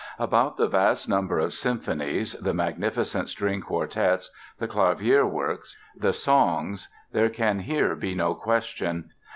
About the vast number of symphonies, the magnificent string quartets, the clavier works, the songs there can here be no question.